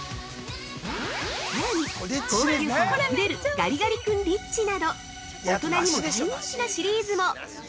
さらに高級感あふれる「ガリガリ君リッチ」など、大人にも大人気なシリーズも！